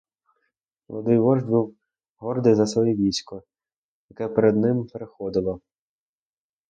Молодий вождь був гордий за своє військо, яке перед ним переходило.